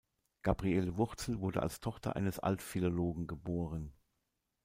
Gabriele Wurzel wurde als Tochter eines Altphilologen geboren.